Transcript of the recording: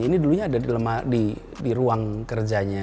ini dulunya ada di ruang kerjanya